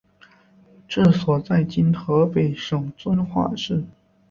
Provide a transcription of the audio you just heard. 治所在今河北省遵化市。